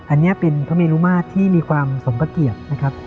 อันนี้เป็นพระเมรุมาตรที่มีความสมพเกียรติ